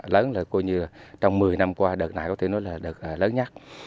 lớn là coi như là trong một mươi năm qua đợt này có thể nói là đợt lớn nhất